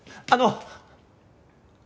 あの！